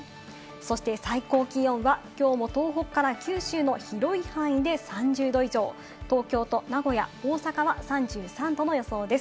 そして最高気温は、きょうも東北から九州の広い範囲で３０℃以上、東京と名古屋、大阪は３３度の予想です。